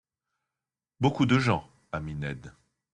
—Beaucoup de gens, ami Ned.